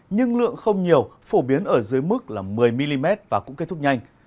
nhưng lượng không nhiều phổ biến ở dưới mức là một mươi mm và cũng kết thúc nhanh